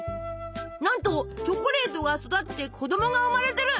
なんとチョコレートが育って子供が生まれてる！